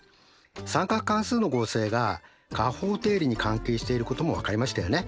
三角関数の合成が加法定理に関係していることも分かりましたよね。